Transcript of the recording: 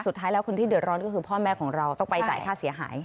สุดท้ายแล้วคนที่เดือดร้อนก็คือพ่อแม่ของเราต้องไปจ่ายค่าเสียหาย